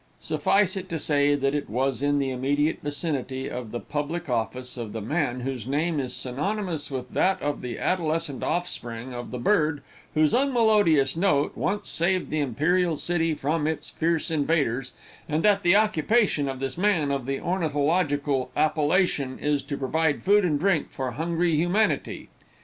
Suffice it to say that it was in the immediate vicinity of the public office of the man whose name is synonymous with that of the adolescent offspring of the bird whose unmelodious note once saved the imperial city from its fierce invaders, and that the occupation of this man of the ornithological appellation is to provide food and drink for hungry humanity.